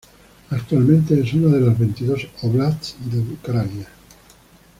Actualmente es una de las veintidós óblast de Ucrania.